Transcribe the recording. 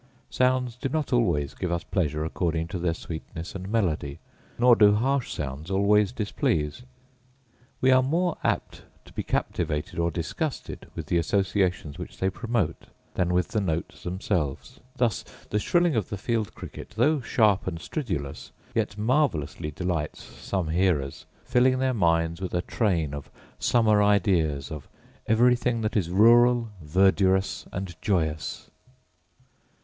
Sounds do not always give us pleasure according to their sweetness and melody; nor do harsh sounds always displease. We are more apt to be captivated or disgusted with the associations which they promote, than with the notes themselves. Thus the shrilling of the field cricket, though sharp and stridulous, yet marvellously delights some hearers, filling their minds with a train of summer ideas of everything that is rural, verdurous, and joyous.